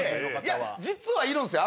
実はいるんすよ。